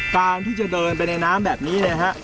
การที่จะเดินไปในน้ำแบบนี้เนี่ยฮะ